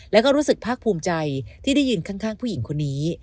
แล้วก็รู้สึกภาคภูมิใจที่ได้ยืนข้างผู้หญิงคนนี้